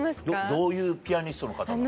どういうピアニストの方なの？